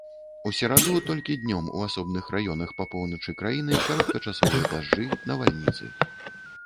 У сераду толькі днём у асобных раёнах па поўначы краіны кароткачасовыя дажджы, навальніцы.